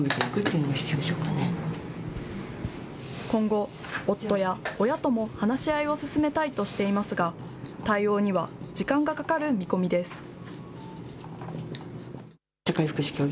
今後、夫や親とも話し合いを進めたいとしていますが対応には時間がかかる見込みです。